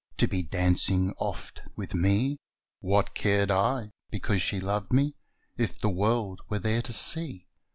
To be dancing oft with me ; (What cared I, because she loved me, If the world were there to see?)